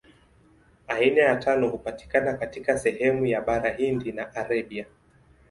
Aina ya tano hupatikana katika sehemu ya Bara Hindi na Arabia.